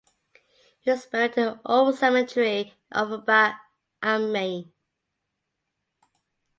He is buried in the old cemetery in Offenbach am Main.